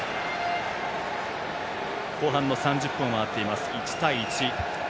後半の３０分を回って１対１。